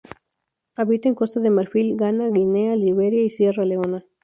Habita en Costa de Marfil, Ghana, Guinea, Liberia y Sierra Leona.